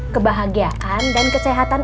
kebahagiaan dan kesehatan